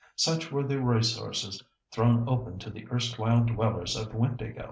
Such were the resources thrown open to the erstwhile dwellers at Windāhgil.